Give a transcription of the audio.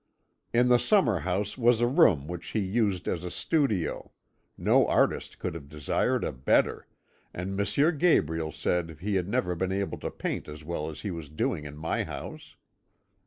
"In the summer house was a room which he used as a studio; no artist could have desired a better, and M. Gabriel said he had never been able to paint as well as he was doing in my house.